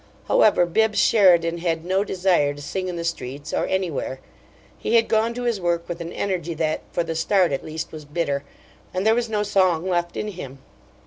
However, Bibbs Sheridan had no desire to sing in the streets, or anywhere. He had gone to his work with an energy that, for the start, at least, was bitter, and there was no song left in him.